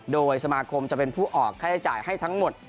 โดยสมาคมจะเป็นผู้ออกค่าใช้จ่ายให้ทั้งหมด